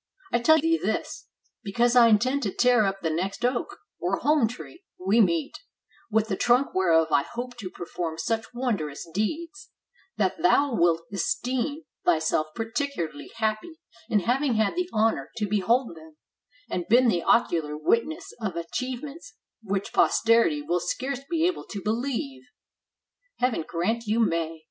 I tell thee this, because I intend to tear up the next oak, or hohn tree, we meet; with the trunk whereof I hope to perform such wondrous deeds, that thou wilt esteem thy self particularly happy in having had the honor to be hold them, and been the ocular witness of achievements which posterity will scarce be able to believe." ''Heaven grant you may!"